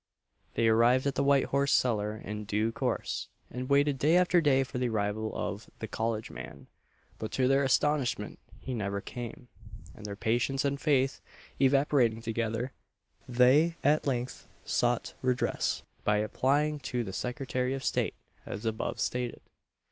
They arrived at the White Horse Cellar in due course, and waited day after day for the arrival of "the college man;" but to their astonishment he never came, and their patience and faith evaporating together, they at length sought redress, by applying to the Secretary of State, as above stated.